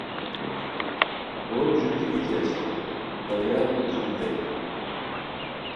بوت ژوتی گیتی استائے کڑیار پُھک ٹھوریتائے